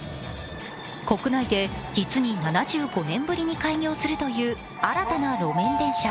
国内で実に７５年ぶりに開業するという新たな路面電車。